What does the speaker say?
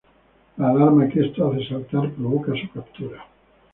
La alarma que esto hace saltar provoca su captura.